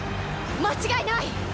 間違いない！